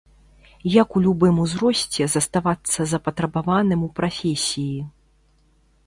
Як у любым узросце заставацца запатрабаваным у прафесіі.